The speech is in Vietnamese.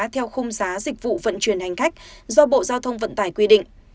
theo khung giá dịch vụ vận chuyển hành khách do bộ giao thông vận tải quy định